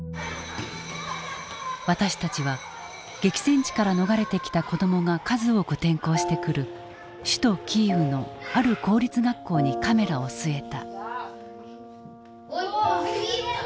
私たちは激戦地から逃れてきた子どもが数多く転校してくる首都キーウのある公立学校にカメラを据えた。